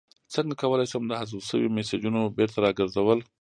څنګه کولی شم د حذف شویو میسجونو بیرته راګرځول